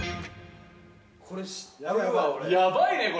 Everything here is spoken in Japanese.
これ、やばいね、これ。